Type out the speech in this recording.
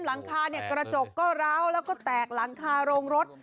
หลังคาเนี่ยกระจกก็ร้าวแล้วก็แตกหลังคาโรงรถ